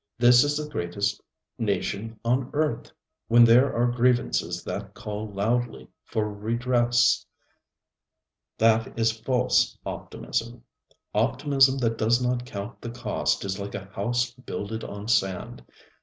This is the greatest nation on earth, ŌĆØ when there are grievances that call loudly for redress. That is false optimism. Optimism that does not count the cost is like a house builded on sand.